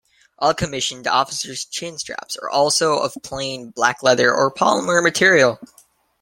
All commissioned officers' chinstraps are also of plain black leather or polymer material.